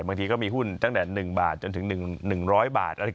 บางทีก็มีหุ้นตั้งแต่๑บาทจนถึง๑๐๐บาท